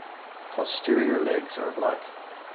Posterior legs are black.